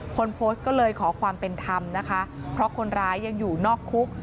คนโพสต์ก็เลยขอความเป็นธรรมนะคะเพราะคนร้ายยังอยู่นอกคุก